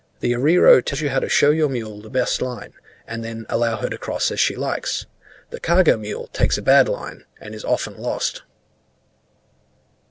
The arriero tells you to show your mule the best line, and then allow her to cross as she likes: the cargo mule takes a bad line, and is often lost.